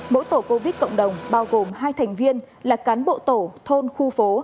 mỗi tổ covid cộng đồng bao gồm hai thành viên là cán bộ tổ thôn khu phố